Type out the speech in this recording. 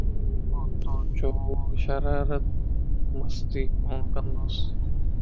يوچو توآن شرارت / مستي ڪون ڪندوس